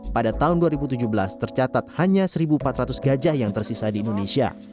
pada tahun dua ribu tujuh belas tercatat hanya satu empat ratus gajah yang tersisa di indonesia